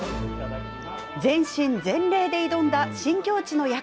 全身全霊で挑んだ、新境地の役。